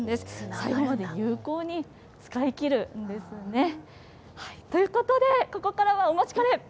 最後まで有効に使いきるんですね。ということで、ここからはお待ちかね。